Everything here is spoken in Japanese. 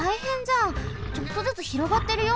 ちょっとずつ広がってるよ！